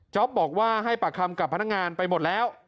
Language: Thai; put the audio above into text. บอกว่าให้ปากคำกับพนักงานไปหมดแล้ว